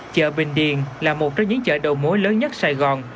chợ bình điền là một trong những chợ đầu mối lớn nhất sài gòn